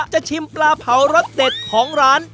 จะชิมปลาเผารสเด็ดของร้าน